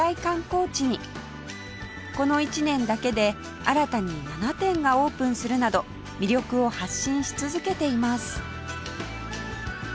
この１年だけで新たに７店がオープンするなど魅力を発信し続けています